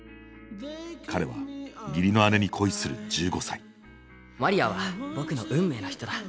彼は義理の姉に恋する１５歳マリアは僕の運命の人だ。